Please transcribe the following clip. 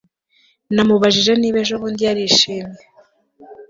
namubajije niba ejobundi yarishimye